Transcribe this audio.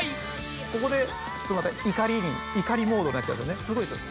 ここでちょっとまた怒りに怒りモードになっちゃうんですよね